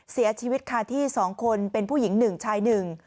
เสียชีวิตคาที่สองคนเป็นผู้หญิงหนึ่งชายหนึ่ง